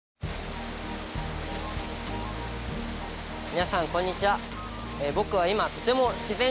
皆さんこんにちは。